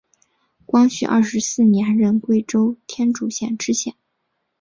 光绪二十四年任贵州天柱县知县。